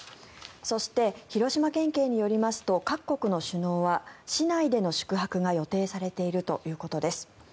そして、広島県警によりますと各国の首脳は市内での宿泊が予定されているということです。